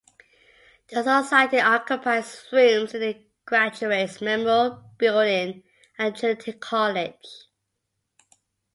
The society occupies rooms in the Graduates' Memorial Building at Trinity College.